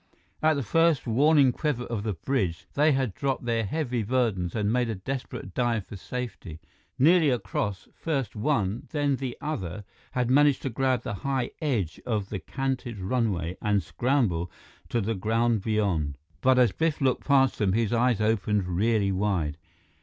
At the first warning quiver of the bridge, they had dropped their heavy burdens and made a desperate dive for safety. Nearly across, first one, then the other, had managed to grab the high edge of the canted runway and scramble to the ground beyond. But as Biff looked past them, his eyes opened really wide.